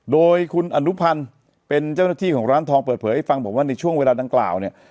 โดยคุณอนุพันธ์เป็นเจ้าหน้าที่ของร้านทองเปิดเผยให้ฟังบอกว่าในช่วงเวลาดังกล่าวเนี่ย